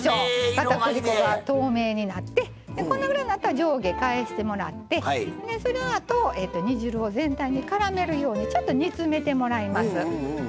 かたくり粉が透明になってこのぐらいになったら上下を返してもらってそのあと煮汁を全体にからめるようにちょっと煮詰めてもらいます。